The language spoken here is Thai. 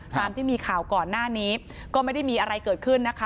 ตามที่มีข่าวก่อนหน้านี้ก็ไม่ได้มีอะไรเกิดขึ้นนะคะ